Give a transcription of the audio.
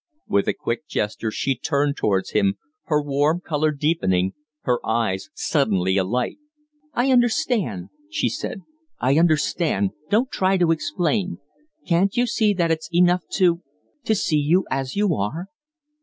With a quick gesture she turned towards him, her warm color deepening, her eyes suddenly alight. "I understand," she said, "I understand. Don't try to explain! Can't you see that it's enough to to see you as you are